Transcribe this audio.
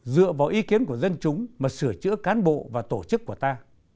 dựa vào ý kiến của dân chúng mà sửa chữa cán bộ và tổ chức của ta